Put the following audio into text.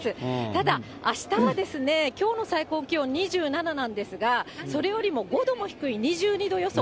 ただ、あしたはですね、きょうの最高気温２７なんですが、それよりも５度も低い２２度予想。